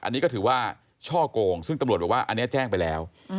อันนี้ก็ถือว่าช่อกงซึ่งตำรวจบอกว่าอันนี้แจ้งไปแล้ว